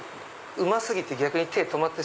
うま過ぎて逆に手止まって。